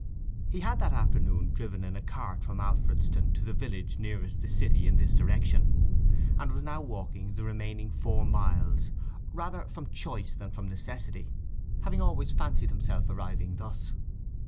He had that afternoon driven in a cart from Alfredston to the village nearest the city in this direction, and was now walking the remaining four miles rather from choice than from necessity, having always fancied himself arriving thus.